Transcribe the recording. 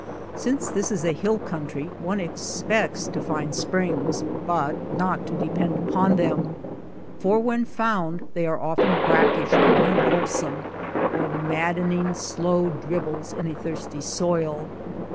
Since this is a hill country one expects to find springs, but not to depend upon them ; for when found they are often brack ish and unwholesome, or maddening, slow dribbles in a thirsty soil.